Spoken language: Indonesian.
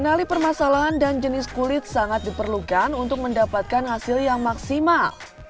kenali permasalahan dan jenis kulit sangat diperlukan untuk mendapatkan hasil yang maksimal